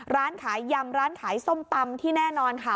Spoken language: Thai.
ร้านขายยำร้านขายส้มตำที่แน่นอนค่ะ